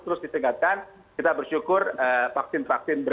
terus ditingkatkan kita bersyukur vaksin vaksin